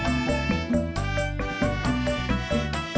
ya elah tati tati